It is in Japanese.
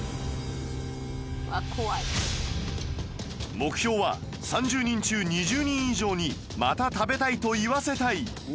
目標は３０人中２０人以上に「また食べたい」と言わせたい